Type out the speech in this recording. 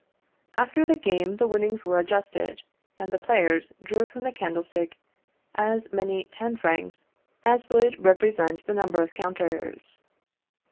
After the game the winnings were adjusted, and the players drew from the candlestick as many ten francs as would represent the number of counters.